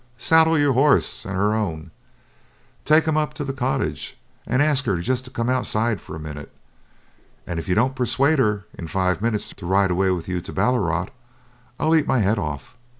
Saddle your horse and her own, take 'em up to the cottage, and ask her just to come outside for a minute. And if you don't persuade her in five minutes to ride away with you to Ballarat, I'll eat my head off.